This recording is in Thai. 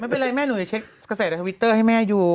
ไม่เป็นไรแม่หนูจะเช็คกระแสในทวิตเตอร์ให้แม่อยู่